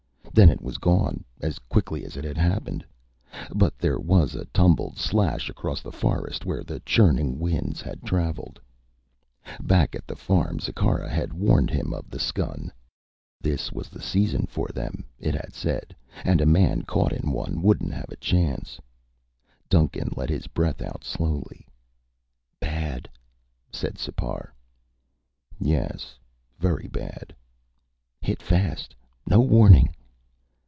Then it was gone as quickly as it had happened, but there was a tumbled slash across the forest where the churning winds had traveled. Back at the farm, Zikkara had warned him of the skun. This was the season for them, it had said, and a man caught in one wouldn't have a chance. Duncan let his breath out slowly. "Bad," said Sipar. "Yes, very bad." "Hit fast. No warning."